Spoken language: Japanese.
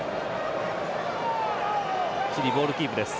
チリ、ボールキープです。